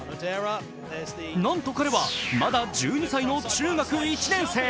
なんと、彼はまだ１２歳の中学１年生。